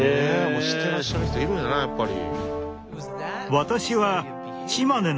もうしてらっしゃる人いるんやなやっぱり。